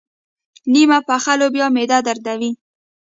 نيم پخه لوبیا معده دردوي.